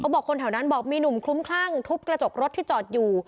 บอกคนแถวนั้นบอกมีหนุ่มคลุ้มคลั่งทุบกระจกรถที่จอดอยู่